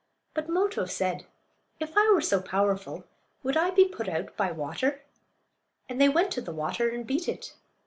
But Moto said, "If I were so powerful would I be put out by water?" And they went to the water and beat it.